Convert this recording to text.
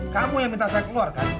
kamu yang minta saya keluarkan